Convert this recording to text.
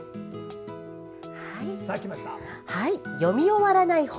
「読み終わらない本」